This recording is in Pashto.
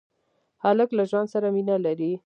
هلک له ژوند سره مینه لري.